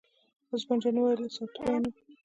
عثمان جان وویل: ساتو به یې نو.